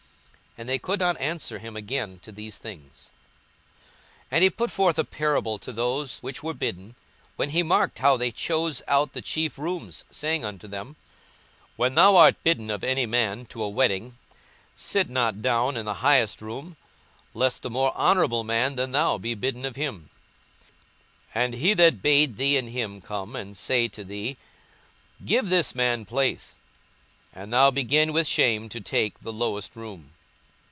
42:014:006 And they could not answer him again to these things. 42:014:007 And he put forth a parable to those which were bidden, when he marked how they chose out the chief rooms; saying unto them. 42:014:008 When thou art bidden of any man to a wedding, sit not down in the highest room; lest a more honourable man than thou be bidden of him; 42:014:009 And he that bade thee and him come and say to thee, Give this man place; and thou begin with shame to take the lowest room.